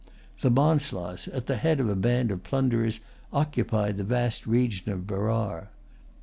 The Bonslas, at the head of a band of plunderers, occupied the vast region of Berar.